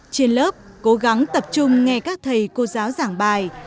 trên lớp cố gắng tập trung nghe các thầy cô giáo giảng bài